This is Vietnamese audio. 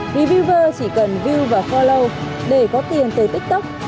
reviewer chỉ cần view và follow để có tiền tới tiktok